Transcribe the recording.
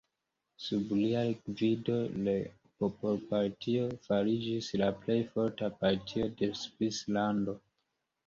Sub lia gvido la Popolpartio fariĝis la plej forta partio de Svislando.